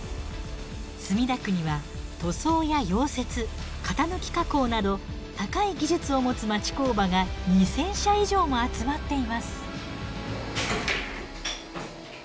墨田区には塗装や溶接型抜き加工など高い技術を持つ町工場が２，０００社以上も集まっています。